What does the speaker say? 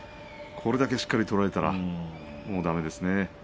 これだけしっかり取られたらもうだめですね。